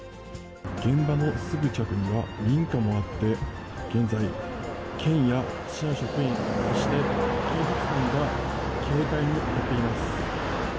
現場のすぐ近くには、民家もあって、現在、県や市の職員、そして警察官が警戒に当たっています。